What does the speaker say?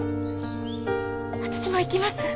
私も行きます。